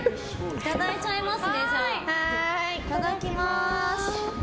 いただきます！